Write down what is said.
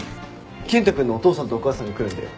健人君のお父さんとお母さんが来るんだよ。